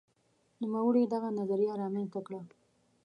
نوموړي دغه نظریه رامنځته کړه.